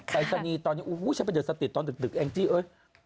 ปรายศนีย์ตอนนี้ฉันไปเดินสติตอนดึกแองจี้เอ้ย